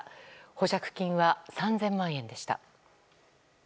保釈金は３０００万円でした。